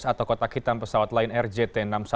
atau kotak hitam pesawat lain rjt enam ratus sepuluh